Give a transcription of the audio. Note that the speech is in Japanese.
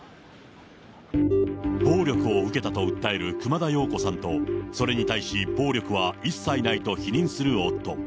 暴力を受けたと訴える熊田曜子さんと、それに対し、暴力は一切ないと否認する夫。